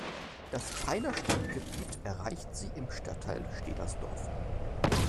Das Peiner Stadtgebiet erreicht sie im Stadtteil Stederdorf.